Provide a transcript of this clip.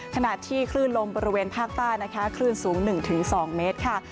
ขณะที่คลื่นลมบริเวณภาคใต้นะคะคลื่นสูง๑๒เมตรค่ะ